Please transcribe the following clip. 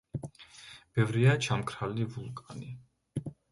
ბევრია ჩამქრალი ვულკანი.